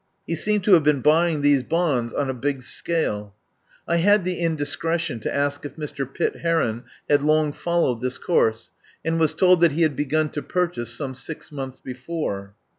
He seemed to have been buying these bonds on a 35 THE POWER HOUSE big scale. I had the indiscretion to ask if Mr. Pitt Heron had long followed this course, and was told that he had begun to purchase some six months before.